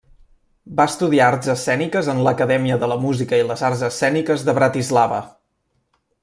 Va estudiar arts escèniques en l'Acadèmia de la Música i les Arts Escèniques de Bratislava.